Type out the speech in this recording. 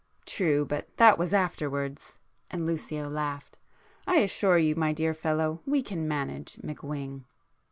"True, but that was afterwards!" and Lucio laughed; "I assure you, my dear fellow, we can 'manage' McWhing!"